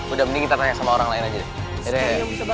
udah mending kita tanya sama orang lain aja deh